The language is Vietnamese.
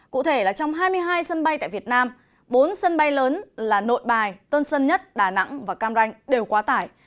cụ thể là trong hai mươi hai sân bay tại việt nam bốn sân bay lớn là nội bài tân sơn nhất đà nẵng và cam ranh đều quá tải